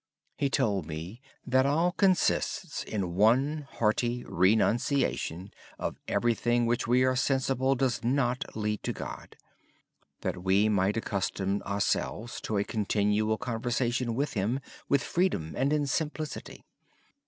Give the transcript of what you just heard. He told me that all consists in one hearty renunciation of everything which we are sensible does not lead to God. We might accustom ourselves to a continual conversation with Him with freedom and in simplicity.